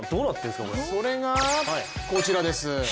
それがこちらです。